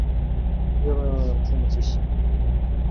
看起来怵目惊心